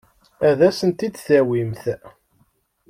Ad asent-t-id-tawimt?